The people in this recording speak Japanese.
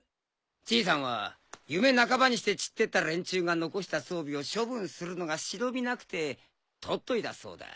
じいさんは夢半ばにして散ってった連中が残した装備を処分するのが忍びなくて取っといたそうだ。